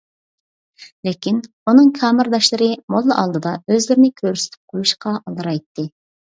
لېكىن ئۇنىڭ كامېرداشلىرى موللا ئالدىدا ئۆزلىرىنى كۆرسىتىپ قويۇشقا ئالدىرايتتى.